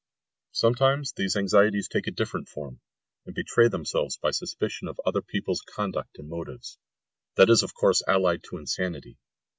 Sometimes these anxieties take a different form, and betray themselves by suspicion of other people's conduct and motives. That is of course allied to insanity.